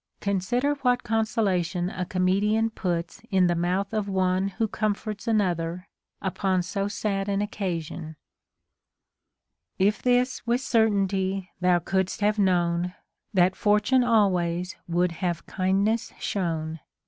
Consider what consolation a comedian puts in the mouth of one who comforts another upon so sad an occasion :— If this \vitli certainty thou coukl'st have known, Tliat Fortune always wnuhl have kindness sliown.